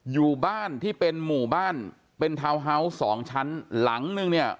อยู่บ้านที่เป็นหมู่บ้านเป็นทาวน์ฮาวส์สองชั้นหลังนึงเนี่ย